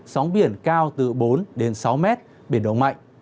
sóng biển cao từ bốn đến sáu mét biển động mạnh